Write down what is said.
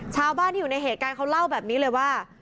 ชาวบ้านที่อยู่ในเหตุการณ์เขาเล่าแบบนี้เลยว่า